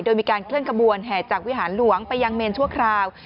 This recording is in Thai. โดยมีการเคลื่อนขบวนแห่จากวิหารหลวงไปยังเมนชั่วคราว